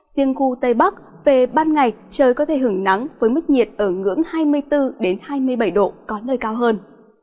riêng khu tây bắc về ban ngày trời có thể hứng nắng với mức nhiệt ở ngưỡng hai mươi bốn hai mươi bảy độ có nơi cao hơn